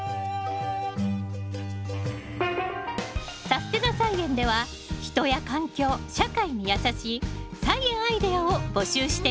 「さすてな菜園」では人や環境社会にやさしい菜園アイデアを募集しています。